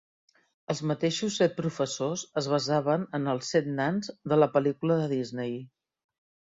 Els mateixos set professors es basaven en els set nans de la pel·lícula de Disney.